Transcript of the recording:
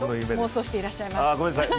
妄想していらっしゃいます。